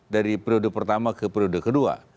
dari periode pertama ke periode kedua